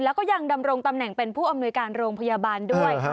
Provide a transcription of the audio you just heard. แล้วก็ยังดำรงตำแหน่งเป็นผู้อำนวยการโรงพยาบาลด้วย